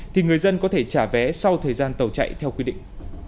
thì người dân có thể trả vé sau thời gian tàu chạy theo quy định